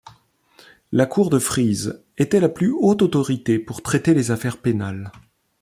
La Cour de Frise était la plus haute autorité pour traiter les affaires pénales.